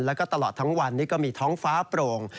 แล้วก็ตลอดทั้งวันนี้ก็มีท้องฟ้าโปร่ง